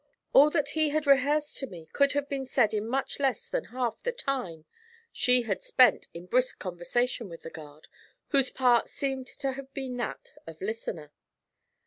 All that he had rehearsed to me could have been said in much less than half the time she had spent in brisk conversation with the guard, whose part seemed to have been that of listener.